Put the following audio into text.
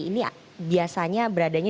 ini ya biasanya beradanya